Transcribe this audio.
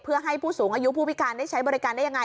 เพื่อให้ผู้สูงอายุผู้พิการได้ใช้บริการได้ยังไง